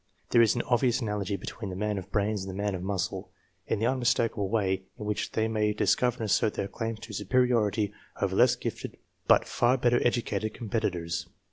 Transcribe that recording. There is an obvious analogy between man of brains and the man of muscle, in the unmistakable way in which they may discover and assert their claims to superiority over less gifted, but far better educated, competitors.